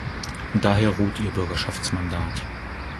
Daher ruht ihr Bürgerschaftsmandat.